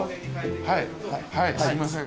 はいはいすいません。